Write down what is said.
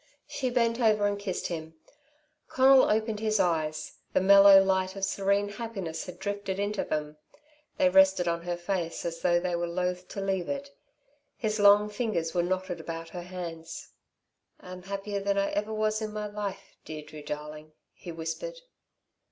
She bent over and kissed him. Conal opened his eyes. The mellow light of serene happiness had drifted into them. They rested on her face as though they were loath to leave it. His long fingers were knotted about her hands. "I'm happier than ever I was in my life, Deirdre, darling," he whispered.